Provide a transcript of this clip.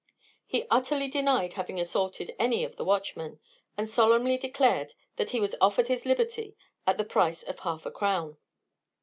He utterly denied having assaulted any of the watchmen, and solemnly declared that he was offered his liberty at the price of half a crown."